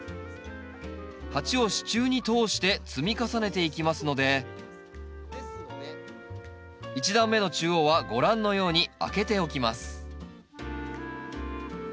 鉢を支柱に通して積み重ねていきますので１段目の中央はご覧のように空けておきます